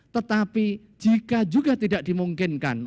tetapi jika juga tidak dimungkinkan